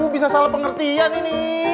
bisa salah pengertian ini